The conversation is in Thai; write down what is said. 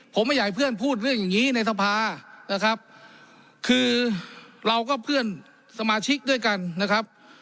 ผมไม่อยากให้เพื่อนพูดเรื่องอย่างงี้ในสภานะครับคือเราก็เพื่อนสมาชิกด้วยกันนะครับ